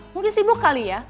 mungkin sibuk kali ya